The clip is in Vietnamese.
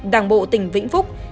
đảng bộ tỉnh vĩnh phúc